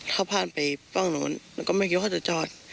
ขับผ่านไปบ้านโน้นแล้วก็ไม่คิดว่าเขาจะจอด